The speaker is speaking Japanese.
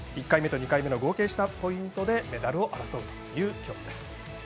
１回目と２回目の合計したポイントでメダルを争うという競技です。